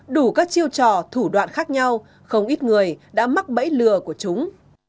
đủ các chiêu trò thủ đoạn khác nhau không ít người đã mắc bẫy lừa của chúng